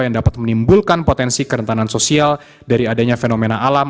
yang dapat menimbulkan potensi kerentanan sosial dari adanya fenomena alam